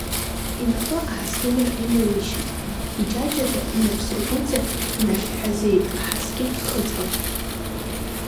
Инапы аҳаскьынра инылишьит, иџьаџьаӡа инапсыргәыҵа инахьҳәазеит аҳаскьын хыцәрақәа.